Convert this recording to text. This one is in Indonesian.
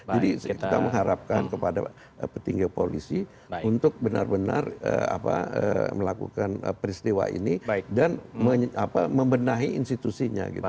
jadi kita mengharapkan kepada petinggi polisi untuk benar benar melakukan peristiwa ini dan membenahi institusinya